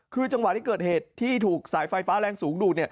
คือจังหวะที่เกิดเหตุที่ถูกสายไฟฟ้าแรงสูงดูด